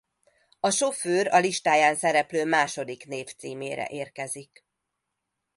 A sofőr a listáján szereplő második név címére érkezik.